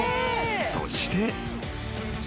［そして］